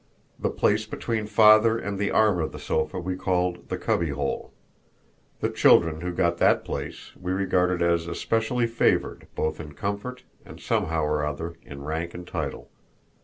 The place between father and the arm of the sofa we called the "cubby hole." The child who got that place we regarded as especially favored both in comfort and somehow or other in rank and title.